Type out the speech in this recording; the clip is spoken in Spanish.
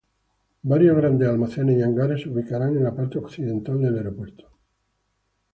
Varios grandes almacenes y hangares se ubicarán en la parte occidental del aeropuerto.